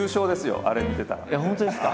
本当ですか。